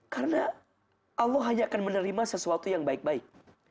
karena allah hanya akan menerima sesuatu yang baik baik